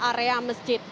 dalam area masjid